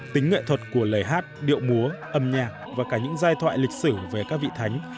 tính nghệ thuật của lời hát điệu múa âm nhạc và cả những giai thoại lịch sử về các vị thánh